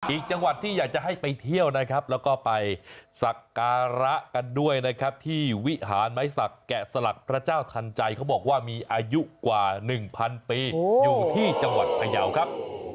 อีกจังหวัดที่อยากจะให้ไปเที่ยวนะครับแล้วก็ไปสักการะกันด้วยนะครับที่วิหารไม้สักแกะสลักพระเจ้าทันใจเขาบอกว่ามีอายุกว่า๑๐๐ปีอยู่ที่จังหวัดพยาวครับ